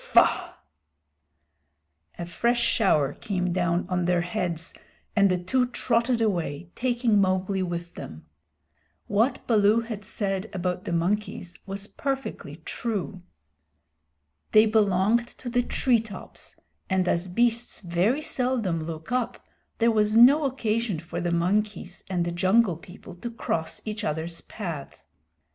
Faugh!" A fresh shower came down on their heads and the two trotted away, taking Mowgli with them. What Baloo had said about the monkeys was perfectly true. They belonged to the tree tops, and as beasts very seldom look up, there was no occasion for the monkeys and the Jungle People to cross each other's path.